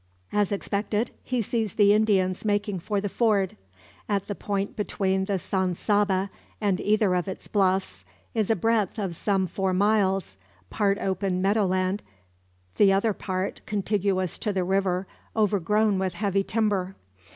As expected, he sees the Indians making for the ford. At the point between the San Saba, and either of its bluffs is a breadth of some four miles, part open meadow land, the other part, contiguous to the river overgrown with heavy timber.